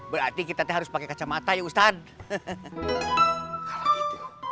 berarti kita harus pakai kacamata ya ustadz